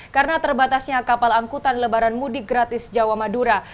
karena terbatasnya kapal angkutan lebaran mudik gratis jawa madura